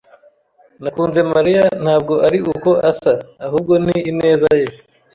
Nakunze Mariya, ntabwo ari uko asa, ahubwo ni ineza ye.